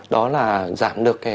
đó là giảm được